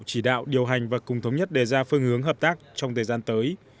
chỉ đạo điều hành và cùng thống nhất đề ra phương hướng hợp tác trong thời gian tới